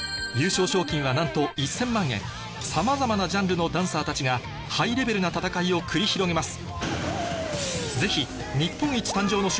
なんとさまざまなジャンルのダンサーたちがハイレベルな戦いを繰り広げます